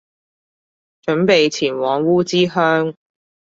準備前往烏之鄉